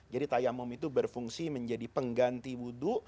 jadi tayamum itu berfungsi menjadi pengganti wudhu